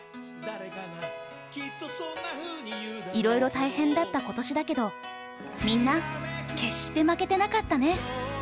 いろいろ大変だった今年だけどみんな決して負けてなかったね。